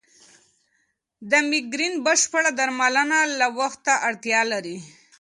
د مېګرین بشپړ درملنه لا وخت ته اړتیا لري.